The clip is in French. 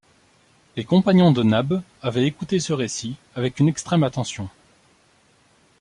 Les compagnons de Nab avaient écouté ce récit avec une extrême attention.